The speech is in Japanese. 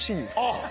あっ！